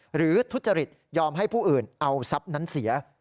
หรือทุจจฤทธิ์ยอมให้ผู้อื่นเอาทรัพย์นั้นเสีย